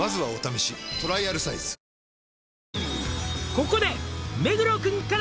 「ここで」